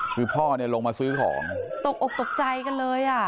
คือพ่อลงมาซื้อของตกออกตกใจกันเลย